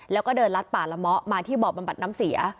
แล้วก็เดินลัดป่าละเมาะมาที่บ่อบำบัดน้ำเสีย